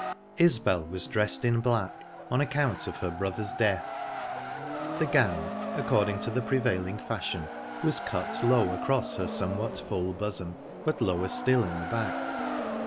Isbel was dressed in black, on account of her brother's death. The gown, according to the prevailing fashion, was cut low across her somewhat full bosom, but lower still in the back.